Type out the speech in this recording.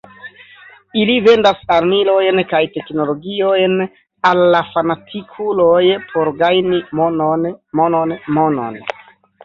Ili vendas armilojn kaj teknologiojn, al la fanatikuloj, por gajni monon, monon, monon.